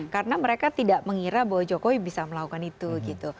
karena mereka tidak mengira bahwa jokowi bisa melakukan itu gitu